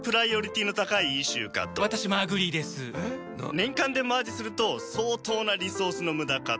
年間でマージすると相当なリソースの無駄かと。